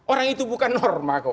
orang itu bukan norma kok